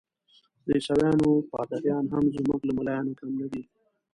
د عیسویانو پادریان هم زموږ له ملایانو کم نه دي.